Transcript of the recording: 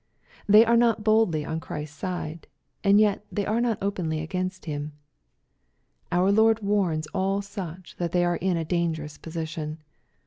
They are not boldly on Christ's side, and yet they are not openly against Him. Our Lord warns all such that they are in a dangerous position.